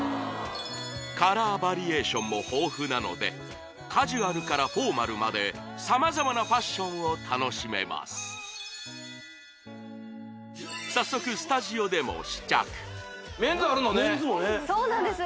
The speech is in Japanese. カラーバリエーションも豊富なのでカジュアルからフォーマルまで様々なファッションを楽しめます早速スタジオでも試着メンズあるのねそうなんです